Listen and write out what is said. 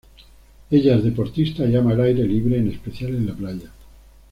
Ella es deportista y ama el aire libre, en especial en la playa.